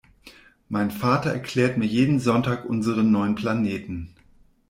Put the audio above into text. Mein Vater erklärt mir jeden Sonntag unsere neun Planeten.